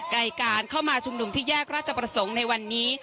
ในการเข้ามาชุมนุมที่แยกราชประสงค์ในวันนี้